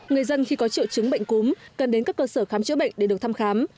người dân khi có triệu chứng bệnh cúm cần đến các cơ sở khám chữa bệnh để được thăm khám